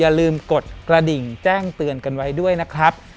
อย่าลืมกดกระดิ่งแจ้งเตือนกันไว้ด้วยนะครับ